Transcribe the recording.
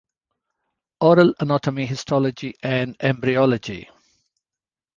Oral Anatomy Histology and Embryology.